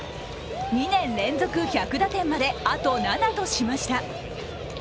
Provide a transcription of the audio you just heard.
２年連続１００打点まで、あと７としました。